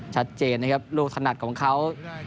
ชัดเจนนะครับลูกถนัดของเขา